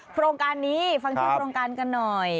โครงการนี้ฟังชื่อโครงการกันหน่อย